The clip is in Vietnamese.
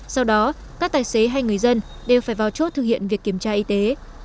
sau đó các tài xế hay người dân đều phải vào chốt thực hiện việc kiểm tra y tế